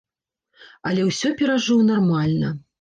Але ўсё перажыў нармальна.